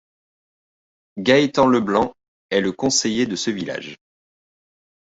Gaétan LeBlanc est le conseiller de ce village.